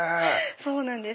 そうなんです。